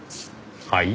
はい？